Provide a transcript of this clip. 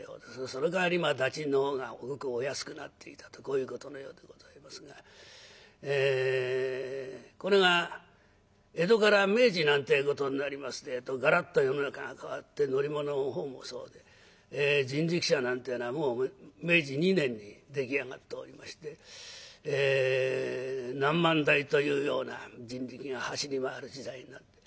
そのかわり駄賃の方がごくお安くなっていたとこういうことのようでございますがこれが江戸から明治なんてことになりますてえとがらっと世の中が変わって乗り物の方もそうで人力車なんてのはもう明治２年に出来上がっておりまして何万台というような人力が走り回る時代になって。